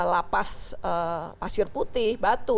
lapas pasir putih batu